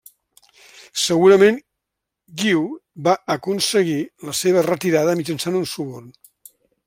Segurament Guiu va aconseguir la seva retirada mitjançant un suborn.